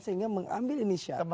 sehingga mengambil inisiatif